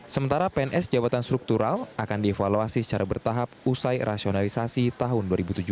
sementara pns jabatan struktural akan dievaluasi secara bertahap usai rasionalisasi tahun dua ribu tujuh belas